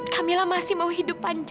kamila masih mau hidup panjang